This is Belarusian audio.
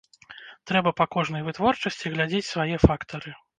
Трэба па кожнай вытворчасці глядзець свае фактары.